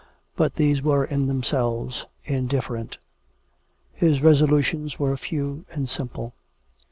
But these were, in themselves, indiffer ent. His resolutions were few and simple.